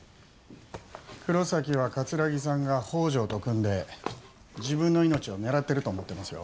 黒崎は桂木さんが宝条と組んで自分の命を狙ってると思ってますよ